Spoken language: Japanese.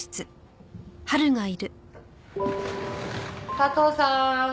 佐藤さーん。